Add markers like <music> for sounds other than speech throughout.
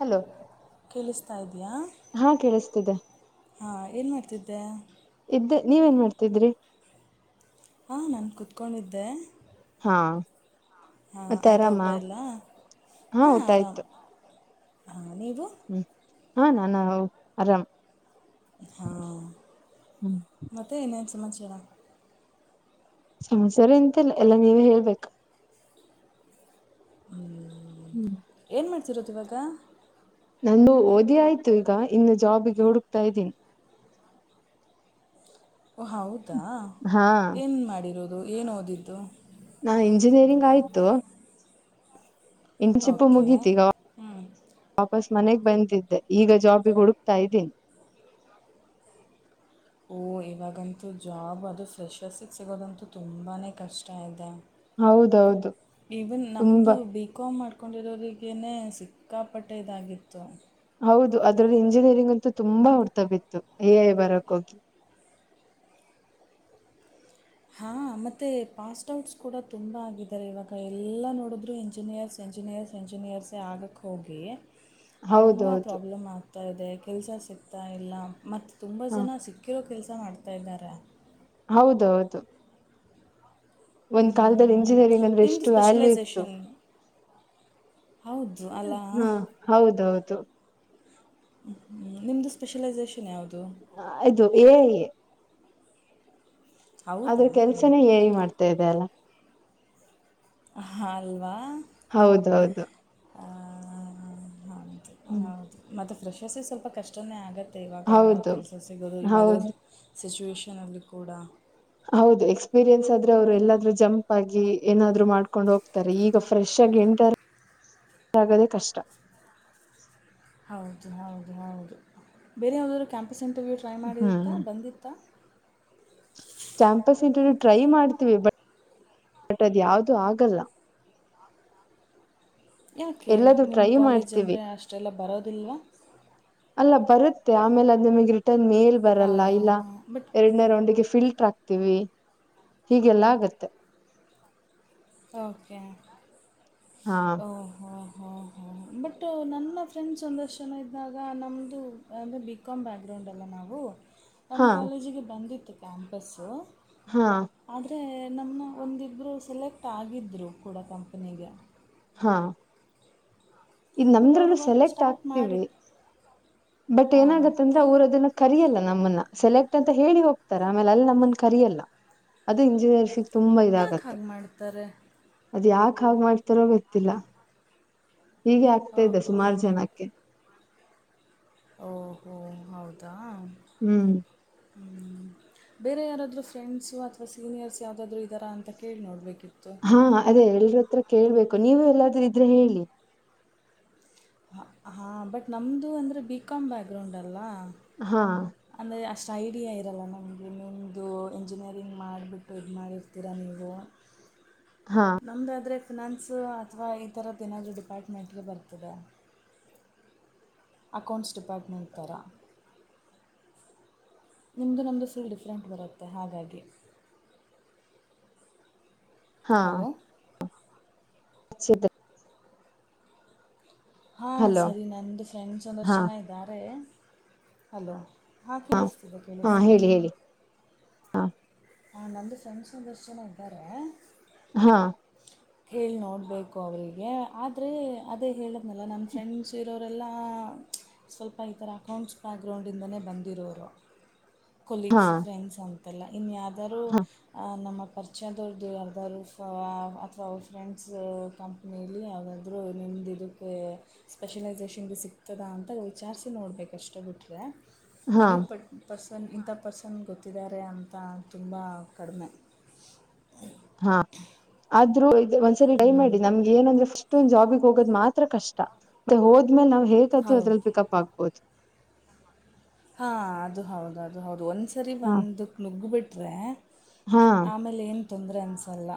Hello ಕೇಳಿಸ್ತಾ ಇದೆಯಾ ಹಾ ಕೇಳಿಸ್ತಿದೆ ಹಾಂ ಏನ ಮಾಡ್ತಿದ್ದೆ. ಇದ್ದ ನೀವ ಏನ್ ಮಾಡ್ತಿದ್ರಿ. ಹಾಂ ನಾನ ಕುತ್ಕೊಂಡಿದ್ದೆ. ಹ್ಞಾ. ಹಾ ಆಯ್ತಾ ಊಟ ಎಲ್ಲ ಹಾ ಆರಾಮ ಹಾ ನೀವು. ಹ್ಮ ಹಾ ನಾನ ಆರಾಮ. ಹಾಂ ಹ್ಮ್ ಮತ್ತೆ ಏನೇನ ಸಮಾಚಾರ. ಸಮಸಾರ ಎಂತಲ್ಲ ಎಲ್ಲಾ ನೀವೇ ಹೇಳ್ಬೇಕು ಹ ಹೂ ಏನು ಮಾಡ್ತಿರೋದು ಇವಾಗ ನಾನು ಓದಿ ಆಯ್ತು ಈಗ ಇನ್ನು ಜಾಬಿಗೆ ಹುಡುಕ್ತಾ ಇದ್ದೀನಿ ಓ ಹೌದಾ ಹಾ ಏನು ಮಾಡಿರೋದು ಏನು ಓದಿದ್ದು ನಾ ಇಂಜಿನಿಯರಿಂಗ್ ಆಯ್ತು ಇಂಟರ್ಷಿಪ್ ಓಕೆ ಮುಗೀತಿಗಾ ಹ್ಞೂ ವಾಪಸ್ ಮನೆಗ್ ಬಂದಿದ್ದೆ ಈಗ ಜಾಬಿಗೆ ಹುಡುಕ್ತಾ ಇದ್ದೀನಿ ಓಹ ಇವಾಗಂತೂ ಜಾಬ್ ಅದು ಫ್ರೆಶರ್ಸಿಗೆ ಸಿಗೋದಂತೂ ತುಂಬಾನೇ ಕಷ್ಟ ಇದೆ ಹೌದೌದು ಇವನ್ ನಮ್ದು ತುಂಬಾ ಬಿಕಾಮರ್ ಕಕೊಂಡಿರೋಗೇ ಸಿಕ್ಕಾಪಟ್ಟೆ ಇದಾಗಿತ್ತು ಹೌದು ಅದ್ರಲ್ಲಿ ಇಂಜಿನಿಯರಿಂಗ್ ಅಂತೂ ತುಂಬಾ ಹೊಡ್ತ ಬಿತ್ತು ಎ ಐ ಬರಕ್ ಹೋಗಿ ಹಾ ಮತ್ತೆ ಪಾಸ್ ಔಟ್ಸ್ ಕೂಡ ತುಂಬ ಆಗಿದ್ದಾರೆ ಇವಾಗ ಎಲ್ಲ ನೋಡಿದ್ರು ಇಂಜಿನಿಯರ್ಸ್ ಎಂಜಿನಿಯರ್ಸ್ ಇಂಜಿನಿಯರ್ಸ್ ಆಗಕ್ಕೆ ಹೋಗಿ ತುಂಬಾ ಹೌದೌದು ಪ್ರಾಬ್ಲಮ್ ಆಗ್ತಾ ಇದೆ ಕೆಲ್ಸ ಸಿಗ್ತಾ ಇಲ್ಲ ಮತ್ತೆ ತುಂಬಾ ಹ ಜನ ಸಿಕ್ತ ಕೆಲೋ ಕೆಲಸ ಮಾಡ್ತಾ ಇದ್ದಾರೆ ಹೌದೌದು ಹೂ ಒಂದ್ ಕಾಲದಲ್ಲಿ ಇಂಜಿನಿಯರಿಂಗ್ ಅಂದ್ರೆ ಇನ್ ಎಷ್ಟು ವ್ಯಾಲ್ಯೂ ಇತ್ತು ಸ್ಪೆಷಲೈಸೇಷನ್ ಹೌದು ಅಲ್ಲ ಹಾ ಹೌದೌದು ಹಞ ನಿಮ್ಮ್ದು ಸ್ಪೆಷಲೈಸೇಷನ್ ಯಾವುದು ಹ ಅದು ಏ ಐ ಆದ್ರ ಹೌದಾ ಕೆಲ್ಸನೇ ಏ ಐ ಮಾಡ್ತಾ ಇದೆ ಅಲ್ಲ ಹಲ್ವಾ ಹೌದೌದು ಹೌದು ಹ್ಮ್ ಹೌದು ಮತ್ತೆ ಫ್ರೆಶಸ ಸ್ವಲ್ಪ ಕಷ್ಟನೇ ಆಗತ್ತೆ ಮತ್ತು ಇವಾಗ ಹೌದು ಕೆಲಸ ಸಿಗೋದು ಇವಾಗಲ್ಲ ಹೌದು ಸಿಚುವೇಷನಲ್ಲಿ ಕೂಡ ಹೌದು ಎಕ್ಸ್ಪೀರಿಯನ್ಸ್ ಆದ್ರೆ ಅವ್ರು ಎಲ್ಲಾದ್ೂ ಜಂಪ್ ಆಗಿ ಏನಾದ್ರು ಮಾಡ್ಕೊಂಡ್ ಹೋಗ್ತಾರೆ ಈಗ ಫ್ರೆಶ್ ಆಗಿ ಎತ ಆಗೋದೆ ಕಷ್ಟ ಹೌದು ಹೌದು ಹೌದು ಬೇರೆ ಯಾವು್ದಾದ್ೂ ಕ್ಯಾಂಪಸ್ ಇಂಟರ್ವ್ಯೂ ಟ್ರೈ ಮಾಡಿತ್ತಾ ಹ್ಮ್ ಬಂದಿತ್ತಾ ಕ್ಯಾಂಪಸ್ ಇಂ ಟ್ರೈ ಮಾಡ್ತೀವಿ ಬ ಬಟ್ ಅದ್ ಯಾವ್ದೂ ಆಗಲ್ಲ ಯಾಕೆ ಎಲ್ಲದು ನಿಮ ಟ್ರೈ ಕಾಲೇಜ್ ಮಾಡ್ತೀವಿ ಅಂದ್ರೆ ಅಷ್ಟೆಲ್ಲ ಬರೋದಿಲ್ವಾ ಅಲ್ಲ ಬರುತ್ತೆ ಆಮೇಲೆ ಅದು ನಿಮಗ್ ರಿಟರ್ನ್ ಮೇಲ್ ಹಾಂ ಬರಲ್ಲ ಹಾಂ ಇಲ್ಲ ಹಾಂ ಬಟ್ ಎರಡನೇ ರೌಂಡಿಗೆ ಫಿಲ್ಟರ್ ಆಕ್ತಿೀವಿ ಹೀಗೆಲ್ಲ ಆಗತ್ತೆ ಓಕೆ ಹಾ ಹ ಹ ಹ ಹ ಬಟ್ ನನ್ನ ಫ್ರೆಂಡ್ಸ್ ಒಂದ ಜನ ಇದ್ದಾಗ ನಮ್ದ ಅಂದರೆ ಬಿ ಕಾಮ್ ಬ್ಯಾಕ್ಗ್ರೌಂಡಲ್ಲ ನಾವು ನಮ್ಮ ಹಾ ಕಾಲೇಜಿಗೆ ಬಂದಿತ್ತು ಕ್ಯಾಂಪಸ್ಸು ಹಾ ಆದ್ರೆ ನಮ್ಮನ ಒಂದಿಬ್ರು ಸೆಲೆಕ್ಟ್ ಆಗಿದ್ರು ಕೂಡ ಕಂಪನಿಗೆ ಹಾ ಇ ಬಟ್ ಅವರು ನಮ್ಮದ್ರಲ್ಲಿ ವರ್ಕ್ ಸೆಲೆಕ್ಟ್ ಸ್ಟಾರ್ಟ್ ಮಾಡಿ ಆಗ್ತಿವಿ ಬಟ್ ಹಾಂ ಏನಾಗತ್ತಂದ್ರೆ ಅವರು ಅದನ್ನ ಕರಿಯಲ್ಲ ನಮ್ಮನ್ನ ಸೆಲೆಕ್ಟ್ ಅಂತ ಹೇಳಿ ಹೋಗ್ತಾರೆ ಆಮೇಲೆ ಅಲ್ಲಿ ನಮ್ಮನ್ನ ಕರಿಯಲ್ಲ ಅದು ಇಂಜಿನಿಯರ್ ತುಂಬಾ ಯಾಕೆ ಇದಾಗತ್ತೆ ಹಾಗೆ ಮಾಡ್ತಾರೆ ಅದ ಯಾಕೆ ಹಾಗೆ ಮಾಡ್ತಾರೋ ಗೊತ್ತಿಲ್ಲಾ ಹೀಗೆ ಆಗ್ತಾ ಹಾಂ ಇದೆ ಹಾಂ ಸುಮಾರು ಹಾಂ ಜನ ಓಹೋ ಹೌದಾ ಹ್ಮ್ ಹ್ಮ ಬೇರೆ ಯಾರಾದರೂ ಫ್ರೆಂಡ್ಸು ಅಥವಾ ಸೀನಿಯರ್ಸ್ ಯಾವುದಾದ್ರೂ ಇದ್ದಾರಾ ಅಂತ ಕೇಳಿ ನೋಡಬೇಕಿತ್ತು ಹಾ ಅದೇ ಎಲ್ರ ಹತ್ರ ಕೇಳ್ಬೇಕು ನೀವು ಎಲ್ಲಾದ್ರೂ ಇದ್ರೆ ಹೇಳಿ ಹಾ ಬಟ್ ನಮ್ದು ಅಂದ್ರೆ ಬಿ ಕಾಮ್ ಬ್ಯಾಕ್ ಗ್ರೌಂಡ್ ಅಲ್ಲ್ವಾ ಹಾ ಅಂದರೆ ಅಷ್ಟು ಐಡಿಯಾ ಇರಲ್ಲ ನಮಗೆ ನಿಮ್ಮದು ಇಂಜಿನಿಯರಿಂಗ್ ಮಾಡಿಬಿಟ್ಟು ಇದು ಮಾಡಿರ್ತೀರಾ ನೀವು ಹಾ ನಮ್ಮದಾದ್ರರೆ ಫಿನಾನ್ಸು ಅಥವಾ ಈ ಥರದ್ದು ನಾದ್ ಡಿಪಾರ್ಟ್ಮೆಂಟ್ಗೆ ಬರ್ತದೆ ಅಕೌಂಟ್ಸ್ ಡಿಪಾರ್ಟ್ಮೆಂಟ್ ರಾ ನಿಮ್ಮದು ನಮ್ಮದು ಪುಲ್ ಡಿಫ್ರೆಂಟ್ ಬರುತ್ತೆ ಹಾಗಾಗಿ ಹಾ ಹಲೋ <unintelligible> ಹಾಂ ಹಲೋ ಸರಿ ನಂದು ಫ್ರೆಂಡ್ಸ್ ಒಂದಷ್ಟು ಹಾ ಜನ ಇದ್ದಾರೆ ಹಲೋ ಹಾಂ ಕೇಳಿಸ್ತಿದೆ ಹಾ ಕೇಳಿಸ್ತಿದೆ ಹೇಳಿ ಹೇಳಿ ಹಾ ಹಾಂ ನಂದು ಫ್ರೆಂಡ್ಸು ಒಂದಿಷ್ಟು ಜನ ಇದ್ದಾರೆ ಹಾ <inaudible> ಹೇಳಿ ನೋಡಬೇಕು ಅವರಿಗೆ ಆದರೆ ಅದೇ ಹೇಳಿದ್ನಲ್ಲ ನಮ್ಮ ಫ್ರೆಂಡ್ಸ್ ಇರೋರೆಲ್ಲ ಸ್ವಲ್ಪ ಈ ಥರ ಅಕೌಂಟ್ಸ್ ಬ್ಯಾಕ್ ಗ್ರೌಂಡ್ ಡಿಂದನೇ ಬಂದಿರೋರು ಹಾ ಕೊಲೀಗ್ಸ್ ಫ್ರೆಂಡ್ಸ್ ಅಂತೆಲ್ಲ ಇನ್ಯ್ದ್ರು ಹಾ ನಮ್ಮ ಪರಿಚಯದವ್ರ್ ಅರ್ಧರುಫ ಅಥವಾ ಅವ ಫ್ರೆಂಡ್ಸ್ ಕಂಪ್ನೀಲಿ ಯಾವುದಾದ್ರರು ನಿದರು ಸ್ಪೆಷಲೈಸೇಷನ್ ಭೀ ಸಿಗ್ತದ ಅಂತ ವಿಚಾರಿಸಿ ನೋಡ್ಬೇಕುಷ್ಟ ಬಿಟ್ಟರೆ ಹಾ ನನಗ್ ಪ ಪರ್ಸನ್ ಇಂಥ ಪರ್ಸನ್ ಗೊತ್ತಿದ್ದಾರೆ ಅಂತಾ ತುಂಬಾ ಕಡಿಮೆ ಹಾ ಆದ್ರೂ ಒಂದ್ಸರಿ ಟ್ರೈ ಹ್ಞೂ ಮಾಡಿ ನಮ್ಗೆ ಏನಂದ್ರೆ ಫಸ್ಟ್ ಒಂದ ಜಾಬಿಗೆ ಹೋಗೋದ್ ಮಾತ್ರ ಕಷ್ಟ ಮತ್ತೆ ಹೋದ್ಮೇಲೆ ನಾವ್ ಹೇಗೆ ಹೌದು ಅದ್ರಲ್ಲಿ ಪಿಕಪ್ ಆಗ್ಬಹದು ಹಾ ಅದು ಹೌದು ಅದು ಹೌದು ಒಂದ್ಸರಿ ಹಾ ಒಂದಕ್ ನುಗ್ಗಬಿಟ್ರೆ ಹಾ ಆಮೇಲೆ ಏನು ತೊಂದರೆ ಅನ್ಸಲ್ಲ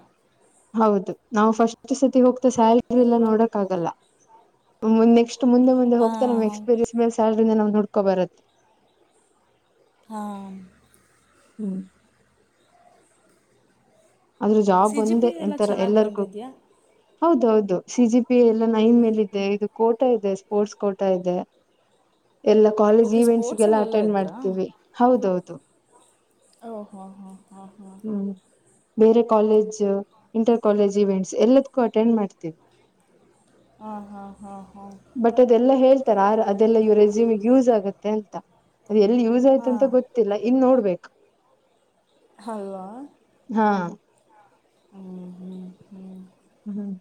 ಹೌದು ನಾವು ಫಸ್ಟ್ ಸತಿ ಹೋಗ್ತಾ ಸ್ಯಾಲ್ರಿ ಎಲ್ಲಾ ನೋಡಕ್ ಆಗಲ್ಲ ನೆಕ್ಸ್ಟ್ ಮುಂದೆ ಮುಂದೆ ಹೋಗ್ತಾ ಹಾಂ ನಮ್ ಹಾಂ ಎಕ್ಸ್ಪೀರಿಯನ್ಸ್ ಮೇಲೆ ಸ್ಯಾಲ್ರಿದ ನ್ ಹುಡ್ಕೋ ಬರತ್ತೆ ಹಾ ಹ್ಮ್ ಆದ್ರೂ ಸಿ ಜಾಬ್ ಜಿ ಪಿ ಒಂದೇ ಎಲ್ಲ ಎಂತರ ಚೆನ್ನಾಗಿ ಎಲ್ಲರಿಗೂ ಬಂದಿದೆಯಾ ಹೌದೌದು ಸಿ ಜಿ ಪಿ ಎಲ್ಲ ನೈನ್ ಮೇಲ ಇದೆ ಇದು ಕೋಟಾ ಇದೆ ಸ್ಪೋರ್ಟ್ಸ್ ಕೋಟಾ ಇದೆ <inaudible> ಎಲ್ಲಾ ಕಾಲೇಜ್ ಓಕೆ ಇವೆಂಟ್ಸ್ ಗೆಲ್ಲ ಸ್ಪೋರ್ಟ್ಸಲ್ಲೆಲ್ಲ ಅಟೆಂಡ್ ಇದ್ರಾ ಮಾಡ್ತೀವಿ ಹೌದೌದು ಓ ಹೋ ಹಾ ಹಾ ಹಾ ಹ್ಮ್ ಬೇರೆ ಕಾಲೇಜ್ ಇಂಟರ್ ಕಾಲೇಜ್ ಇವೆಂಟ್ಸ್ ಎಲ್ಲದಕ್ಕೂ ಅಟೆಂಡ್ ಮಾಡ್ತೀವಿ ಹಾ ಹಾ ಹಾ ಹಾ ಬಟ್ ಅದೆಲ್ಲ ಹೇಳ್ತಾರೆ ಆ ಅದೆಲ್ಲ ಇವ್ ರೆಸ್ಯೂಮ್ ಯೂಸ್ ಆಗತ್ತೆ ಅಂತ ಅದು ಎಲ್ಲಿ ಯೂಸ್ ಆಯ್ತು ಅಂತ ಹಾಂ ಗೊತ್ತ ಗೊತ್ತಿಲ್ಲ ಇನ್ ನೋಡ್ಬೇಕು ಹಲವಾ ಹಾ ಹ್ಮ ಹ್ಮ ಹ್ಮ್ ಹ್ಮ್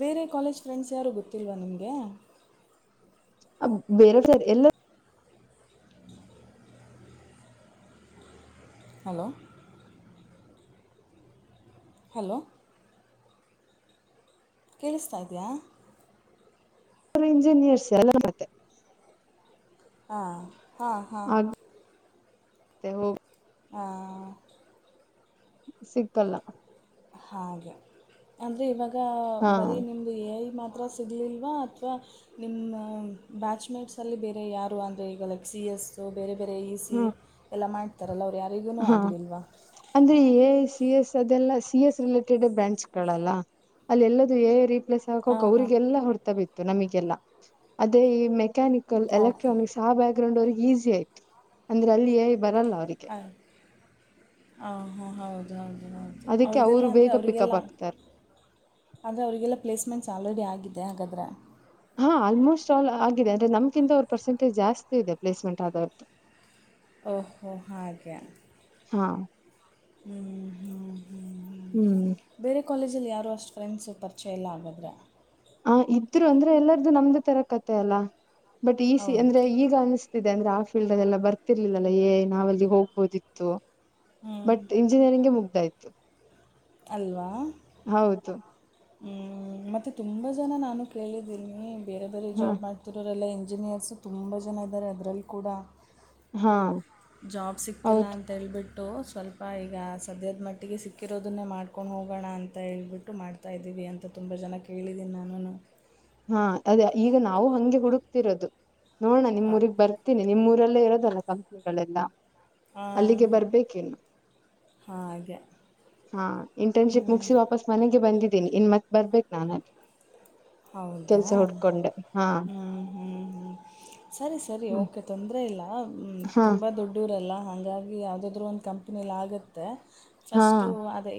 ಬೇರೆ ಕಾಲೇಜ್ ಫ್ರೆಂಡ್ಸ್ ಯಾರು ಗೊತ್ತಿಲ್ವಾ ನಿಮ್ಗೆ ಅ ಬೇರವ್ರ ಎಲ್ಲ <inaudible> ಹಲೋ ಹಲೋ ಕೇಳಿಸ್ತಾ ಇದಯಾ ಇಂಜಿನಿಯರ್ಸ್ ಎಲ್ಲ ಮತ್ತೆ ಹಾ ಹಾ ಹಾ ಆಗತ್ತೆ ಹೋಗ ಹಾ ಸಿಕ್ಕಲ್ಲ ಹಾಗೆ ಅಂದರೆ ಇವಾಗ ಹಾ ಬರೀ ನಿಮ್ಮ ಐ ಮಾತ್ರ ಸಿಗ್ಲಿಲ್ವಾ ಅಥವಾ ನಿಮ್ಮ ಬ್ಯಾಚ್ಮೇಟ್ಸಲ್ಲಿ ಬೇರೆ ಯಾರು ಅಂದರೆ ಈಗ ಲೈಕ್ ಸಿ ಎಸ್ ಸೊ ಬೇರೆ ಬೇರೆ ಈಸ ಎಲ್ಲ ಮಾಡ್ತಾರಲ್ಲ ಅವ್ರು ಯಾರಿಗು ಹಾ ಆಗಲಿಲ್ವಾ ಅಂದ್ರೆ ಎ ಐ ಸಿ ಎಸ್ ಅದೆಲ್ಲ ಸಿ ಎಸ್ ರಿಲೇಟೆಡ್ ಬ್ರ್ಯಾಂಚ್ ಗಳಲ್ಲ ಅಲ್ಲಿ ಎಲ್ಲದೂ ಏ ರೀಪ್ಲೇಸ್ ಹ ಹಾಂ ಹಾಂ ಅವಲ್ಲ ಹೊಡ್ತ ಬಿತ್ತು ನಮಗೆಲ್ಲ ಅದೇ ಈ ಮೆಕ್ಯಾನಿಕಲ್ ಓಕೆ ಎಲೆಕ್ಟ್ರಾನಿಕ್ಸ್ ಆ ಬ್ಯಾಕ್ ಗ್ರೌಂಡ್ ಅವ್ರಿಗೆ ಈಸಿ ಆಯ್ತ ಅಂದ್ರೆಲ್ಲಿ ಬರಲ್ಲ ಅವ್ರರಿಗೆ ಹಾಯ ಹಾಂ ಹಾಂ ಹೌದು ಹೌದು ಹೌದು ಅದಕ್ಕೆ ಅವ್ರ್ದೆಲ್ಲ ಅವರು ಅಂದರೆ ಬೇಗ ಅವ್ರಿಗೆಲ್ಲ ಪಿಕಪ್ ಆಗ್ತಾರೆ ಆದರೆ ಅವರಿಗೆಲ್ಲ ಪ್ಲೇಸ್ಮೆಂಟ್ಸ್ ಆಲ್ರೆಡಿ ಆಗಿದೆ ಹಾಗಾದ್ರೆ ಹಾ ಆಲ್ಮೋಸ್ಟ್ ಆಲ್ ಆಗಿದೆ ಅಂದ್ರೆ ನಮ್ತ ಅವರ್ ಪರ್ಸೆಂಟೇಜ್ಸ್ತಿ ಇದೆ ಪ್ಲೇಸ್ಮೆಂಟ್ ರ್್ ಹ ಹಾಗಗೆ ಹಾ ಹ್ಮ ಹ್ಮ ಹ್ಮ ಹ್ಮ್ ಬೇರೆ ಕಾಲೇಜಲ್ಲಿ ಯಾರು ಅಷ್ಟು ಫ್ರೆಂಡ್ಸು ಪರಿಯಲ್ಲ ಆಗಿದ್ರೆ ಹ ಇದ್ರು ಅಂದ್ರೆ ಎಲ್ಲಾರ್ದು ನಮ್ದು ತರ ಕತೆ ಅಲ್ಲ ಬಟ್ ಈ ಸಿ ಹೌದು ಅಂದ್ರೆ ಈಗ ಅನಿಸ್ತಿದೆ ಅಂದ್ರೆ ಆ ಫೀಲ್ಡ್ ಅದೆಲ್ಲ ಬರ್ತಿರ್ಲಿಲ್ಲಲ್ಲಾ ಏ ನಾವಲ್ಲಿ ಹೋಗ್ಬೋದಿತ್ತು ಹ್ಞೂ ಬಟ್ ಇಂಜಿನಿಯರಿಂಗಗೆ ಮುಗ್ದಾಯ್ತು ಅಲ್ವಾ ಹೌದು ಹ್ಮ್ ಮತ್ತೆ ತುಂಬಾ ಜನ ನಾನು ಕೇಳಿದ್ದೀನಿ ಬೇರೆದ್ರ ಹಾ ಜಾಬ್ ಮಾಡ್ನಿ ಮಿತ್ತೂರರೆಲ್ಲ ಇಂಜಿನಿಯರ್ಸು ತುಂಬ ಜನ ಇದ್ದಾರೆ ಅದರಲ್ಲಿ ಕೂಡ ಹಾ ಜಾಬ್ ಸಿಕ್ತಿಲ್ಲ ಹೌದು ಅಂತ ಅಂತೇಳ್ಬಿಟ್ಟು ಸ್ವಲ್ಪ ಈಗ ಸದ್ಯದ ಮಟ್ಟಿಗೆ ಸಿಕ್ಕಿರೋದನ್ನೇ ಮಾಡ್ಕೊಂಡು ಹೋಗೋಣ ಅಂತ ಹೇಳ್ಬಿಟ್ಟು ಮಾಡ್ತ ತ ಇದೀವಿ ಅಂತ ತುಂಬ ಜನ ಕೇಳಿದೆೀನಿ ನಾನುನು ಹಾ ಅದೇ ಈಗ ನಾವು ಹಂಗೆ ಹುಡುಕ್ತಿರೋದು ನೋಡಣ ನಿಮ್ಮ್ ಊಗ್ ಬರ್ತೀನಿ ನಿಮ್ಮ್ೂಊರಲ್ಲೇ ಇರೋದಲ್ಲ ಕಂಪ್ನಿಗಳೆಲ್ಲಾ ಅಲ್ಲಿಗೆ ಬರ್ಬೇಕ ಹಾಗೆ <unintelligible> ಇಟನ್ಪ್ ಮುಪ ಮನೆಗೆ ಬಂದಿದ್ದಿನಿ ಇನ್ ಮತ್ ಬರ್ಬೇಕು ನನ್ ಅಲ್ ಹೌದಾ ಹಾ ಹ್ಞ ಹ್ಞೂ ಹ್ಞೂ ಸರಿ ಸರಿ ಹ್ಮ್ ಓಕೆ ತೊಂದರೆ ಇಲ್ಲ ಹಾ ತುಂಬ ದೊಡ್ಡ ಡೂರಲ್ಲ ಹಾಗಿ ಯಾವದಾದ್ರು ಒಂದು ಕಂಪನಿಲ್ಲಿ ಆಗುತ್ತೆ ಹಾ ಫಸ್ಟ್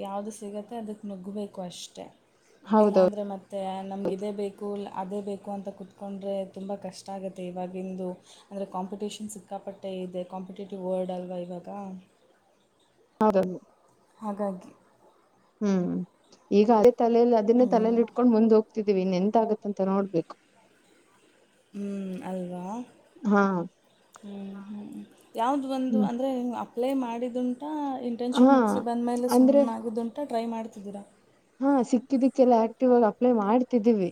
ಯಾವ್ದು ಸಿಗುತ್ತೆ ಅದಕ್ ನುಗ್ಬೇಕು ಅಷ್ಟೆ ಇಲ್ಲ ಹೌದೌದು ಅಂದ್ರೆ ಮತ್ತೆ ನಮ್ಗೆ ಅದೇ ಬೇಕು ಅದೇ ಬೇಕು ಅಂತ ಕೂತ್ಕೊಂಡ್ರೆ ತುಂಬ ಕಷ್ಟ ಆಗುತ್ತೆ ಇವಾಗಿಂದು ಅಂದರೆ ಕಾಂಪಿಟೇಷನ್ ಸಿಕ್ಕಾಪಟ್ಟೆ ಇದೆ ಕಾಂಪಿಟೇಟಿವ್ ವರ್ಡ್ ಅಲ್ವಾ ಇವಾಗ ಹೌದದು ಹಾಗಾಗಿ ಹ್ಮ್ ಈಗ ಅದೇ ತಲಲಿ ಅದನ್ನೇ ಹ್ಞೂ ತಲಲಿ ಇಟ್ಕೊಂಡ್ ಮುಂದ್ ಹೋಗ್ತಿದ್ದೀವಿ ಇನ್ ಎಂತ ಆಗತ್ತಂತ ನೋಡ್ಬೇಕು ಹ್ಞ ಅಲ್ವಾ ಹಾ ಹ ಯಾವು್ದು ಒಂದು ಹ್ಮ್ ಅಂದರೆ ಅಪ್ಲೈ ಮಾಡಿದುಂಟ ಇಂಟರ್ನ್ಶಿಪ್ ಹಾ ಮುಗಿಸಿ ಬಂದಮೇಲೆ ಅಂದ್ರೆ ಸುಮ್ಮಾಗದುಂಟು ಟ್ರೈ ಮಾಡ್ತಿದ್ದೀರಾ ಹಾ ಸಿಕ್ಕಿದಕ್ಕೆಲ್ಲ ಆಕ್ಟಿವ್ ಆ ಅಪ್ಲೈ ಮಾಡ್ತಿದೀವಿ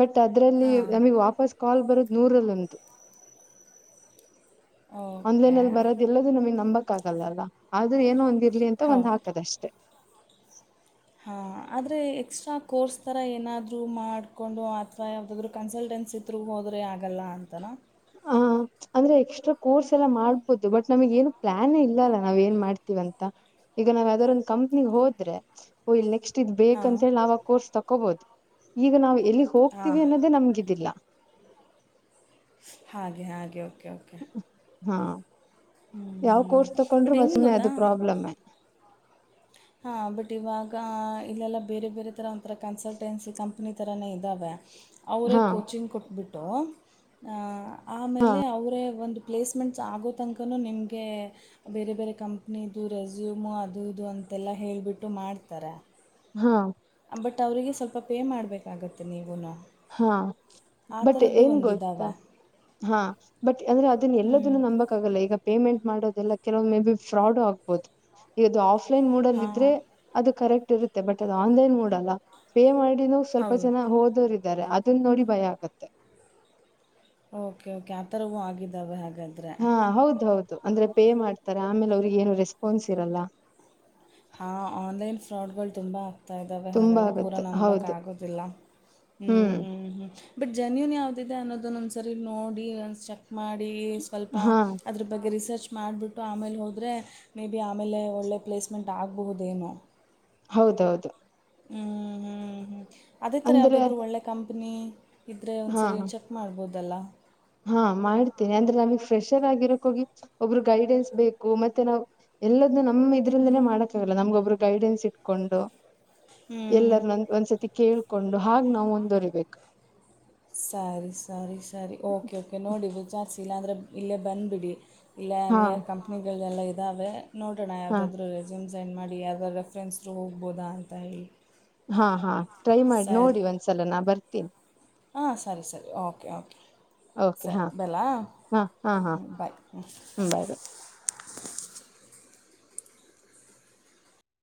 ಬಟ್ ಅದ್ರಲ್ಲಿ ಹಾಂ ನಮಗ್ ವಾಪಸ್ ಕಾಲ್ ಬರೋ ನೂರಲ್ಲ ಅಂತು ಓಕೆ ಆನ್ಲೈನ್ ಅಲ್ಲಿ ಬರೋದ ಎಲ್ಲದ ನಮಗ್ ನಂಬಕ್ ಆಗಲ್ಲಲ್ಲ ಆದ್ರೂ ಏನೋ ಒಂದ್ ಇರ್ಲಿ ಅಂತ ಹೌದು ಒಂದ್ಾಕದಷ್ಟೇ ಹಾ ಆದ್ರೆ ಎಕ್ಸ್ಟ್ರಾ ಕೋರ್ಸ್ ತರ ಏನಾದ್ರು ಮಾಡ್ಕೊಂಡು ಅಥವಾ ಯಾವ್ದಾದ್ೂ ಕನ್ಸಲ್ಟೆನ್ಸಿ ಹತ್ರುಗ ಹೋದ್ರೆ ಆಗಲ್ಲ ಅಂತನ ಆ ಅಂದ್ರೆ ಎಕ್ಸ್ಟ್ರಾ ಕೋರ್ಸ್ ಎಲ್ಲಾ ಮಾಡ್ಬೋದು ಬಟ್ ನಮಗ ಏನು ಪ್ಲಾಾನೇ ಇಲ್ಲಲ್ಲ ನಾವ್ ಏನ್ ಮಾಡ್ತೀವ ಅಂತ ಈಗ ನಾವ್ ಯಾವ್ದಾರ ಒಂದ್ ಕಂಪ್ನಿಿಗೆ ಹೋದ್ರೆ ಓಯ ಇಲ್ ನೆಕ್ಸ್ಟ್ ಇದ್ ಬೇಕಕ್ ಹಾಂ ಅಂತ ಹೇಳಿ ನಾವ ಆ ಕೋರ್ಸ್ ತಕೋಬಹದು ಈಗ ನಾವ್ ಎಲ್ಲಿ ಹೋಗ್ತಿವಿ ಹಾಂ ಅನ್ನೋ ನಮ್ಗಿದಿಲ್ಲ ಹಾಗೆ ಹಾಗೆ ಓಕೆ ಓಕೆ ಹಾ ಯಾವ ಹ್ಞೂ ಕೋರ್ಸ್ ತಕೊಂಡ್ರರು ಬಟ್ ಏನು ಮಜ್ನೆ ಅದು ಪ್ರಾಬ್ಲಮ್ಮೆ ಹಾ ಬಟ್ ಇವಾಗ ಇಲ್ಲೆಲ್ಲಾ ಬೇರೆ ಬೇರೆ ತರ ಒಂರ ಕನ್ಸಲ್ಟೆನ್ಸಿ ಕಂ ಚತ್ನಿ ಥರನೇ ಇದ್ದಾವೆ ಅವರೇ ಹಾ ಕೋಚಿಂಗ್ ಕೊಟ್ಬಿಟ್ಟು ಆಮೇಲೆ ಅವರೇ ಒಂದು ಪ್ಲೇಸ್ಮೆಂಟ್ಸ್ ಆಗೋ ತನಕನೂ ನಿಮಗೆ ಬೇರೆ ಬೇರೆ ಕಂಪ್ನಿದು ರೆಸ್ಯೂಮು ಅದುದು ಅಂತೆಲ್ಲ ಹೇಳೇಳ್ಬಿಟ್ಟು ಮಾಡ್ತಾರೆ ಹಾ ಬಟ್ ಅವರಿಗೆ ಸ್ವಲ್ಪ ಪೇ ಮಾಡ್ಬೇಕಾಗತ್ತೆ ನೀವುನು ಹಾ ಬಟ್ ಏನ್ ಗೊತ್ತಾ ಒಂದಿದ್ದಾವೆ ಹಾ ಬಟ್ ಅಂದ್ರೆ ಅದನ್ನ ಹ್ಞೂ ಎಲ್ಲದನ್ನು ನಂಬ ಈಗ ಪೇಮೆಂಟ್ ಮಾಡದೆಲ್ಲ ಕೆಲ ಮೇ ಬಿ ಫ್ರಾಡು ಆಗ್ಬಹುದು ಆ ಆಫ್ಲೈನ್ ಮೋಡ್ ಅಲ್ಲ ಹಾಂ ಇದ್ರೆ ಅದು ಕರೆಕ್ಟ್ ಇರುತ್ತೆ ಬಟ್ ಅದು ಆನ್ಲೈನ್ ಮೋಡ್ ಅಲ್ಲ ಪೇ ಮಾಡಿನೂ ಸ್ವಲ್ಪ ಹೌದು ಜನ ಹೋದೋರ್ಾರೆ ಅದನ್ನ ನೋಡಿ ಭಯ ಆಗತ್ತೆ ಓಕೆ ಓಕೆ ಆಥರವೂ ಆಗಿದ್ದಾವೆ ಹಾಗಲ್ಲಿ ಹಾ ಹೌದು ಹೌದು ಅಂದ್ರೆ ಪೇ ಮಾಡ್ತಾರೆ ಆಮೇಲೆ ಅವ್ರಿಗೆ ಏನು ರೆಸ್ಪಾನ್ಸ್ ಇರಲ್ಲ ಹಾಂ ಆನ್ಲೈನ್ ಫ್ರಾಡ್ಗಳು ತುಂಬ ಆತಾ ಇದ್ದಾವೆ ತುಂಬಾ ಹಾಗಾಗಿ ಪೂರಾ ಆಗತ್ತೆ ನಂಬಕ್ ಹೌದು ಆಗುದಿಲ್ಲ ಹ್ಮ್ ಹ್ಮ್ ಹ್ಮ್ ಬಟ್ ಜೆನ್ಯೂನ್ ಯಾವ್ದಿದೆ ಅನ್ನೋದನ್ನ ಒಂದ್ ಸರಿ ನೋಡಿ ಒ ಚೆಕ್ ಮಾಡಿ ಸ್ವಲ್ಪ ಹಾ ಅದ್ರ ಬಗ್ಗೆ ರಿಸರ್ಚ್ ಮಾಡಿಬಿಟ್ಟು ಆಮೇಲೆ ಹೋದ್ರೆ ಮೇ ಬಿ ಆಮೇಲೆ ಒಳ್ಳೆ ಪ್ಲೇಸ್ ಎಸ್ಮೆಂಟ್ ಆಗಬಹುದೇನನು ಹೌದೌದು. ಹ್ಮ್, ಹ್ಮ್, ಹ್ಮ್ ಅದೇ ತರ ಅಂದ್ರೆ ಯಾವುದಾದರೂ ಒಳ್ಳೆ ಕಂಪನಿ ಇದ್ರೆ ಹಾ ಒಂದ್ಸರಿ ಚ ಮಾಡ್ಬೋದಲ್ಲ. ಹಾ ಮಾಡ್ತೀನಿ ಅಂದ್ರೆ ನಮಗ್ ಫ್ರೆಷರ್ ಆಗಿರಕ್ ಹೋಗಿ ಒಬ್ಬ್ರ ಗೈಡೆನ್ಸ್ ಬೇಕು. ಮತ್ತೆ ನಾವ್, ಎಲ್ಲದುನು ನಮ ಇದ್ರಿಂದನೇ ಮಾಡಕ್ಕ ಆಗಲ್ಲ. ನಮ್ಗೊಬ್ರು ಗೈಡೆನ್ಸ್ ಇಟ್ಕೊಂಡು ಹ್ಞೂ ಎಲ್ಲರನ್ ಒಂದ್ಸತಿ ಕೇಳ್ಕೊಂಡು ಹಾಗ ನಾವು ಮುಂದುವರಿಬೇಕು. ಸರಿ ಸರಿ ಸರಿ ಓಕೆ ಓಕೆ ನೋಡಿ ಜಾಸ್ತಿ ಇಲ್ಲ ಅಂದ್ರೆ ಇಲ್ಲೇ ಬಂದ್ಬಿಡಿ. ಇಲ್ಲ ಹಾ ಅನಿಯ ಕಂಪ್ನಿಗಳ ಎಲ್ಲ ಇದ್ದಾವೆ. ನೋಡೋಣ ಹಾ ಯಾವ್ದಾದ್ರು ಜಿಮ್ ಜೈನ್ ಮಾಡಿ ಯಾವ್ದೋ ರೆಫರೆನ್ಸ್ ಹೋಗಬೋದಾ ಅಂತ ಹೇಳಿ. ಹಾ ಹಾ ಟ್ರೈ ಮಾಡಿ ಸರಿ ನೋಡಿ ಒಂದ್ಸಲ ನಾ ಬರ್ತೀನಿ. ಹಾಂ ಸರಿ ಸರಿ ಓಕೆ ಓಕೆ. ಓಕೆ ಸರಿ ಹಾ ಬಲಾ ಹಾ ಹಾ ಹಾ ಹ್ಮ ಬಾಯ್ ಹ್ಮ್ ಬಾಯ್ ಬಾಯ್.